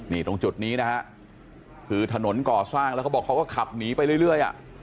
นี่ตรงจุดนี้นะฮะคือถนนก่อสร้างแล้วเขาบอกเขาก็ขับหนีไปเรื่อยอ่ะ